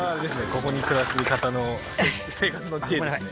ここに暮らす方の生活の知恵ですね